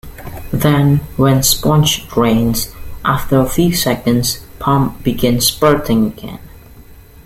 Then, when Sponge drains, after a few seconds, Pump begins spurting again.